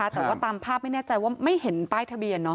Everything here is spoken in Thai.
แต่ว่าตามภาพไม่แน่ใจว่าไม่เห็นป้ายทะเบียน